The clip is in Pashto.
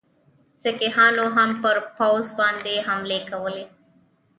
سیکهانو هم پر پوځ باندي حملې کولې.